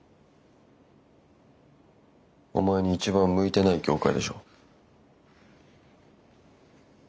お前に一番向いてない業界でしょ。